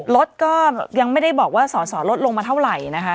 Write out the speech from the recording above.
รถก็ยังไม่ได้บอกว่าสอสอลดลงมาเท่าไหร่นะคะ